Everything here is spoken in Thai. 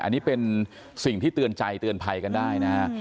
อันนี้เป็นสิ่งที่เตือนใจเตือนภัยกันได้นะฮะ